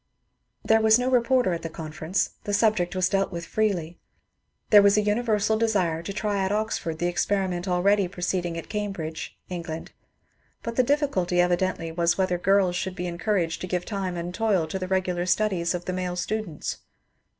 There was no reporter at the conference ; the subject was dealt with freely. There was a universal desire to try at Oxford the experiment already proceeding at Cambridge (England), but the difficulty evidently was whether girls should be encouraged to give time and toil to the regular studies of the male students.